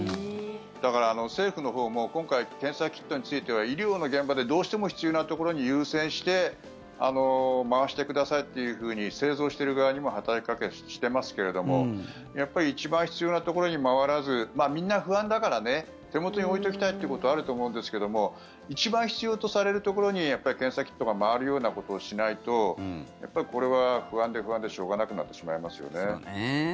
だから、政府のほうも今回、検査キットについては医療の現場でどうしても必要なところに優先して回してくださいというふうに製造している側にも働きかけしてますけれどもやっぱり一番必要なところに回らずみんな不安だからね、手元に置いておきたいということはあると思うんですけども一番必要とされるところに検査キットが回るようなことをしないとこれは不安で不安でしょうがなくなってしまいます。